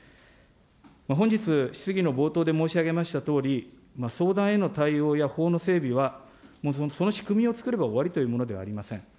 本日、質疑の冒頭で申し上げましたとおり、相談への対応や法の整備は、もうその仕組みを作れば終わりというものではありません。